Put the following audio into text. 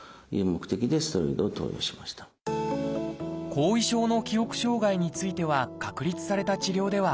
後遺症の記憶障害については確立された治療ではありません。